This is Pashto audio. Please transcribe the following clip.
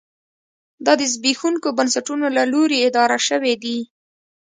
دا د زبېښونکو بنسټونو له لوري اداره شوې دي.